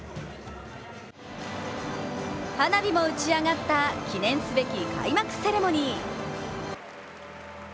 花火も打ち上がった記念すべき開幕セレモニー。